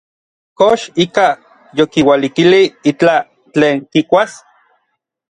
¿Kox ikaj yokiualikilij itlaj tlen kikuas?